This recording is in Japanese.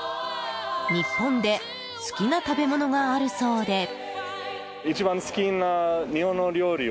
日本で好きな食べ物があるそうで。